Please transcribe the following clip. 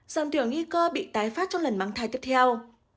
dòng tiểu nghi cơ bị tái phát trong lần bằng thai tiếp theo